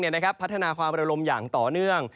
เนี่ยนะครับพัฒนาความระยะลมอย่างต่อเนื่อง